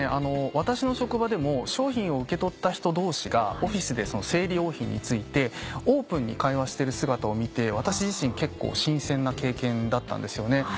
私の職場でも商品を受け取った人同士がオフィスで生理用品についてオープンに会話している姿を見て私自身結構新鮮な経験だったんですよね。